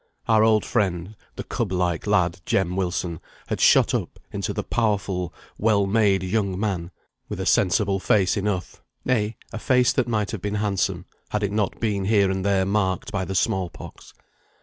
Our old friend, the cub like lad, Jem Wilson, had shot up into the powerful, well made young man, with a sensible face enough; nay, a face that might have been handsome, had it not been here and there marked by the small pox.